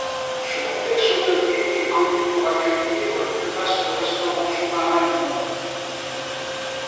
Ce complexe hôtelier est connu pour accueillir le plus vaste restaurant sous-marin du monde.